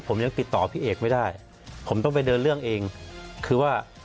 ผมยังติดต่อพี่เอกไม่ได้ผมต้องไปเดินเรื่องเองคือว่า